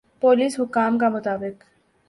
police حکام کا مطابق